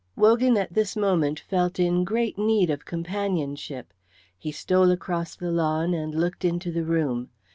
Wogan at this moment felt in great need of companionship. He stole across the lawn and looked into the room.